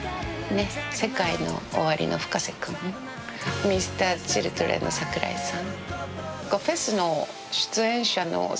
ＳＥＫＡＩＮＯＯＷＡＲＩのＦｕｋａｓｅ君、Ｍｒ．Ｃｈｉｌｄｒｅｎの桜井さん。